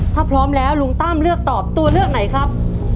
ถ้าพร้อมแล้วลุงตั้มเลือกตอบตัวเลือกไหนครับ